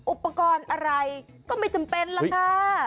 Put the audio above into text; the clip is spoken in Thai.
อุปกรณ์อะไรก็ไม่จำเป็นล่ะค่ะ